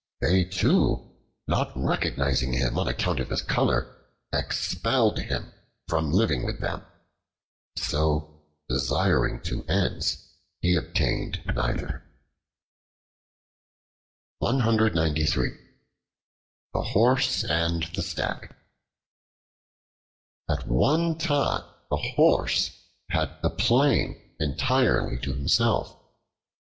They too, not recognizing him on account of his color, expelled him from living with them. So desiring two ends, he obtained neither. The Horse and the Stag AT ONE TIME the Horse had the plain entirely to himself.